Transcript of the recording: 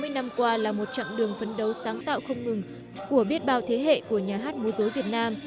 sáu mươi năm qua là một chặng đường phấn đấu sáng tạo không ngừng của biết bao thế hệ của nhà hát mô dối việt nam